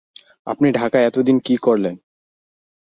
আপনি ঢাকায় এত দিন কী করলেন?